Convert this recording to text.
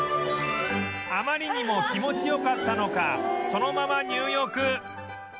あまりにも気持ち良かったのかそのまま入浴